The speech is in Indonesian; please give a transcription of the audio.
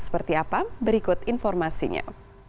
seperti apa berikut informasinya